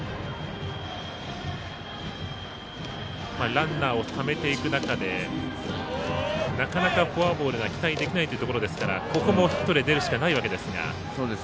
ランナーをためていく中でなかなか、フォアボールが期待できないというところですからここもヒットで出るしかないわけですが。